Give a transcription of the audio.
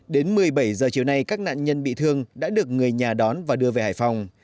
đến một mươi bảy h chiều nay các nạn nhân bị thương đã được người nhà đón và đưa về hải phòng